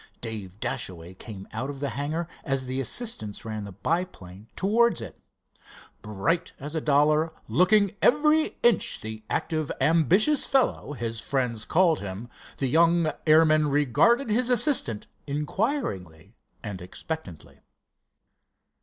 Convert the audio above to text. Dave Dashaway came out of the hangar as the assistants ran the biplane towards it. Bright as a dollar, looking every inch the active, ambitious fellow his friends called him, the young airman regarded his assistant inquiringly and expectantly.